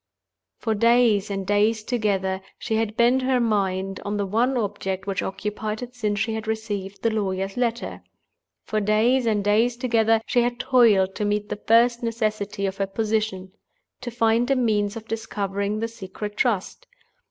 For days and days together she had bent her mind on the one object which occupied it since she had received the lawyer's letter. For days and days together she had toiled to meet the first necessity of her position—to find a means of discovering the Secret Trust.